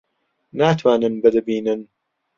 ناتوانن بتبینن.